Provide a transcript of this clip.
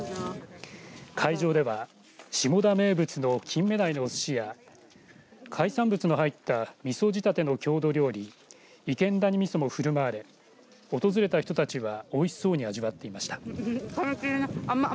会場では下田名物の金目鯛のおすしや海産物の入ったみそ仕立ての郷土料理池之段煮味噌も振る舞われ訪れた人たちはおいしそうに味わっていました。